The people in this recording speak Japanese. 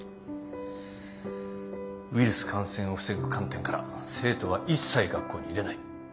ウイルス感染を防ぐ観点から生徒は一切学校に入れない。